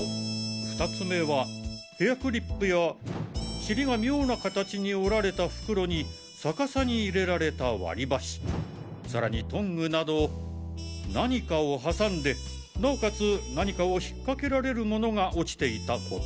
２つ目はヘアクリップや尻が妙な形に折られた袋に逆さに入れられた割り箸さらにトングなど何かをはさんでなおかつ何かを引っかけられる物が落ちていたこと。